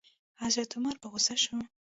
حضرت عمر په غوسه شو.